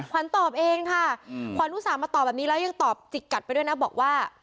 ขวัญตอบเองค่ะขวัญลูกสาวมาตอบแบบนี้แล้วยังตอบจิกกัดไปด้วยนะบอกว่า